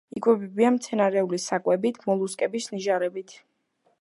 იკვებებიან მცენარეული საკვებით, მოლუსკების ნიჟარებით.